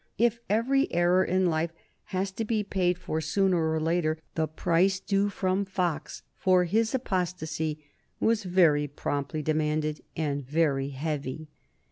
If every error in life has to be paid for sooner or later, the price due from Fox for his apostasy was very promptly demanded and was very heavy.